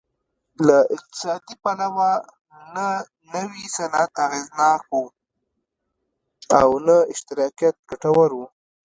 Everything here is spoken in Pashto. له اقتصادي پلوه نه نوی صنعت اغېزناک و او نه اشتراکیت ګټور و